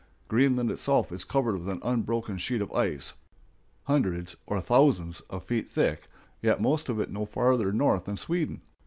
Greenland itself is covered with an unbroken sheet of ice, hundreds or thousands of feet thick, yet most of it is no farther north than Sweden.